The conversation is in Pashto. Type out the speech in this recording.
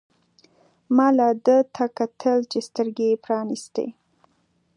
ما لا ده ته کتل چې سترګې يې پرانیستې.